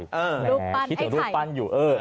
รูปปั้นไอ้ไข่คิดถึงรูปปั้นอยู่